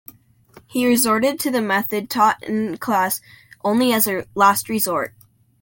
He resorted to the method taught in class only as a last resort.